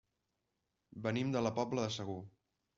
Venim de la Pobla de Segur.